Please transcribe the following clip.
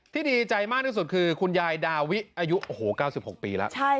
ดีใจมากที่สุดคือคุณยายดาวิอายุโอ้โห๙๖ปีแล้ว